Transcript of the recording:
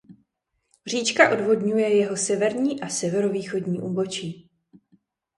Říčka odvodňuje jeho severní a severovýchodní úbočí.